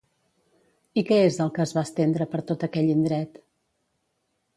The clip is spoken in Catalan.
I què és el que es va estendre per tot aquell indret?